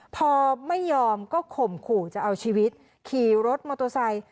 พอไม่ยอมก็ข่มขู่จะเอาชีวิตขี่รถมอเตอร์ไซค์